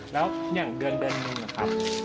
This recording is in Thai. และอย่างเดือนนะครับ